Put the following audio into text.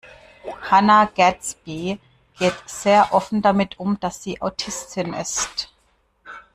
Hannah Gadsby geht sehr offen damit um, dass sie Autistin ist.